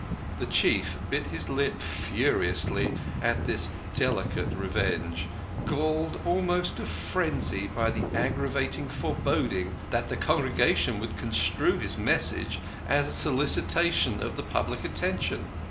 The Chief bit his lip furiously at this delicate venge ; galled almost to frenzy by the aggra vating foreboding that the congregation would construe his message as a solicitation of the polite attention.